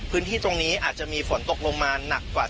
พื้นที่ตรงนี้อาจจะมีฝนตกลงมาหนักกว่า